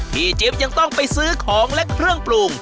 จิ๊บยังต้องไปซื้อของและเครื่องปรุง